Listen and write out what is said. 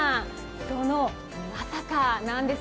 そのまさかなんです。